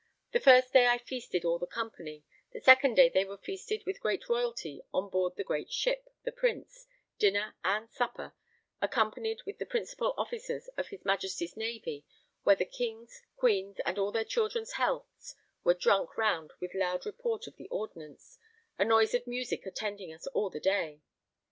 The first day I feasted all the company; the second day they were feasted with great royalty on board the great ship, the Prince, dinner and supper, accompanied with the Principal Officers of his Majesty's Navy, where the King's, Queen's, and all their children's healths were drunk round with loud report of the ordnance, a noise of music attending us all the day.